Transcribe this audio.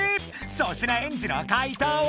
粗品エンジの回答は？